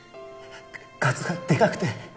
カツがでかくて